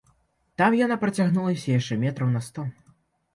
Там яна працягнулася яшчэ метраў на сто.